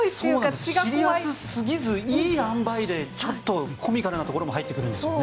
シリアスすぎずいい塩梅でちょっとコミカルなところも入ってくるんですよね。